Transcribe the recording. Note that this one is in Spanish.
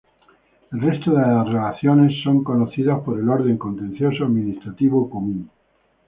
El resto de relaciones son conocidas por el orden contencioso-administrativo común.